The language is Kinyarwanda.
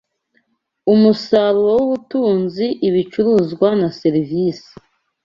Umusaruro wubutunzi ibicuruzwa na serivisi